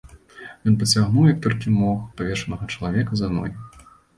Ён пацягнуў, як толькі мог, павешанага чалавека за ногі.